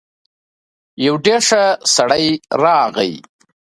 يو ډېر ښه سړی راغی.